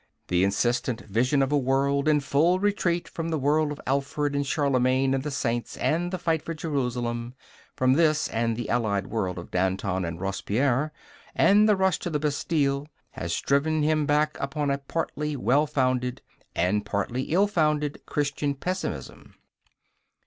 The insistent vision of a world in full retreat from the world of Alfred and Charlemagne and the saints and the fight for Jerusalem from this and the allied world of Danton and Robespierre, and the rush to the Bastille has driven him back upon a partly well founded and partly ill founded Christian pessimism.